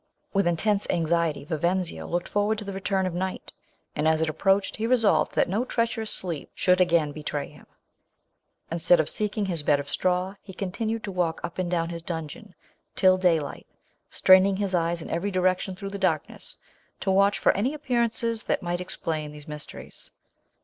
With intense anxiety, Vivenzio looked forward to the return of night ; and as it approached, he resolved that no treacherous sleep should again betray him. Instead of seek ing his bed of straw, he continued to walk up and down his dungeon till daylight, straining his eyes m every direction through the darkness, to watch for any appearances that might explain these mysteries.